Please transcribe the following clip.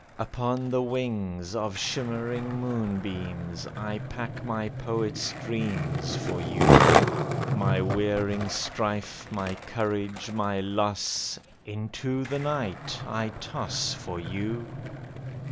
"Upon the wings Of shimmering moonbeams I pack my poet's dreams For you. My wearying strife, My courage, my loss, Into the night I toss For you.